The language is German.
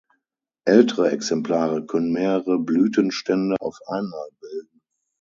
Ältere Exemplare können mehrere Blütenstände auf einmal bilden.